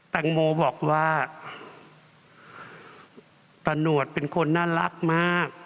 แตงโมบอกว่าตะหนวดเป็นคนน่ารักมาก